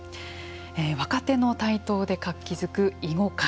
若手の台頭で活気づく囲碁界。